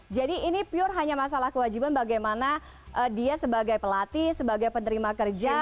jadi ini pure hanya masalah kewajiban bagaimana dia sebagai pelatih sebagai penerima kerja